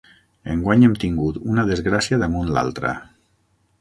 Enguany hem tingut una desgràcia damunt l'altra.